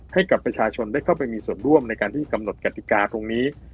ให้กับประชาชนได้เข้าไปมีส่วนร่วมในการที่กำหนดกติกาตรงนี้